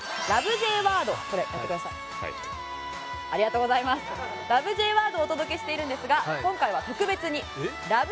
Ｊワードをお届けしているんですが今回は特別にラブ！！